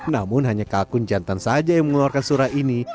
namun hanya kalkun jantan saja yang mengeluarkan surat ini